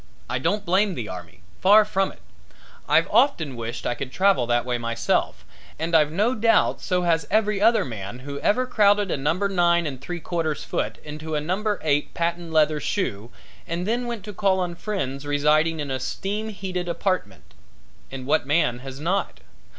I don't blame the army, far from it; I've often wished I could travel that way myself, and I've no doubt so has every other man who ever crowded a number nine and three quarters foot into a number eight patent leather shoe, and then went to call on friends residing in a steam heated apartment. As what man has not?